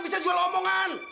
bisa jual omongan